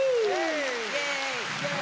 イエーイ。